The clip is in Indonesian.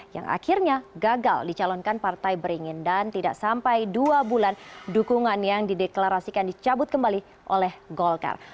yang akhirnya gagal dicalonkan partai beringin dan tidak sampai dua bulan dukungan yang dideklarasikan dicabut kembali oleh golkar